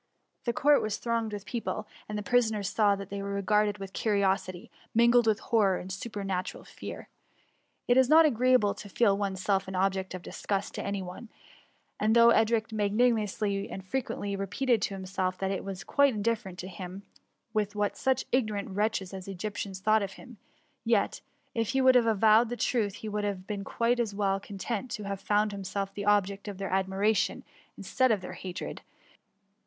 The court was tbiooged with pec^le, and the prisoners saw that they were r^arded with curiosity, mingled with horror and super natural fear. It is not agreeable to feel oneself an object of disgust to any one; and though Edric mipanimously and frequently repeated to himself that it was quite indifferent to him what such ignorant wretches as Egyptians thought of him ; yet, if he would have avowed the truth, he would have been quite as well con tented to have found himself the object of their admiration instead of their hatred ; and